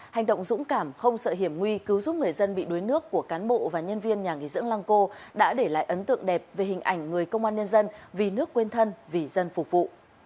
hành động dũng cảm không sợ hiểm nguy cứu giúp người dân bị đuối nước của cán bộ và nhân viên nhà nghỉ dưỡng lăng cô đã để lại ấn tượng đẹp về hình ảnh người công an nhân dân vì nước quên thân vì dân phục vụ